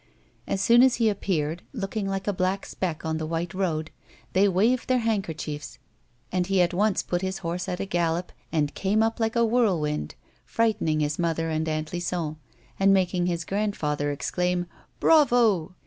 As soon as he appeared, looking like a black speck on the white road, they waved their handkerchiefs, and he at once put his horse at a gallop, and came up like a whirlwind, frightening his mother and Aunt Lison, and making his grandfather exclaim, "Bravo!"